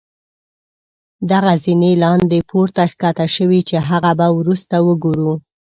دغه زينې لاندې پوړ ته ښکته شوي چې هغه به وروسته وګورو.